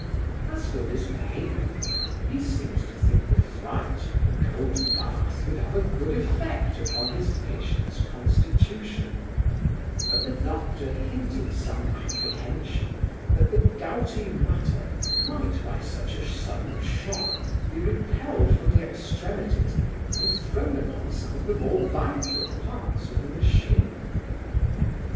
As for Lismahago, he seemed to think the fright and the cold bath would have a good effect upon his patient's constitution: but the doctor hinted some apprehension that the gouty matter might, by such a sudden shock, be repelled from the extremities and thrown upon some of the more vital parts of the machine.